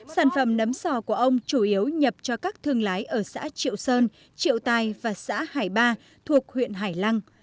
sản phẩm nấm sò của ông chủ yếu nhập cho các thương lái ở xã triệu sơn triệu tài và xã hải ba thuộc huyện hải lăng